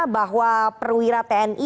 bahwa perwira tni